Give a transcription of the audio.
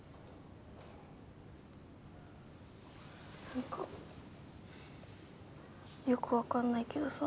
なんかよく分かんないけどさ